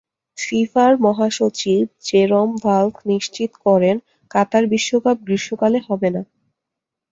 ফিফার মহাসচিব Jerome Valcke নিশ্চিত করেন, কাতার বিশ্বকাপ গ্রীষ্মকালে হবে না।